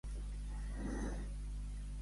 A quina escola acudí?